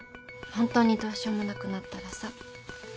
本当にどうしようもなくなったらさ